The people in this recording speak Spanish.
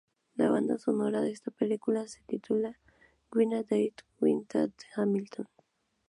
La banda sonora de esta película se titula "Win A Date With Tad Hamilton!